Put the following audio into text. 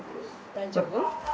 大丈夫？